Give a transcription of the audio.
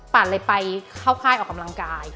เลยไปเข้าค่ายออกกำลังกาย